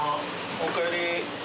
おかえり。